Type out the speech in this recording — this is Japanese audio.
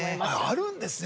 あるんですね